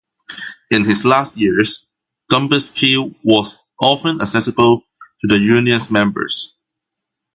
In his last years, Dubinsky was often accessible to the union's members.